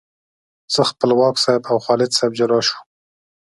زه، خپلواک صاحب او خالد صاحب جلا شوو.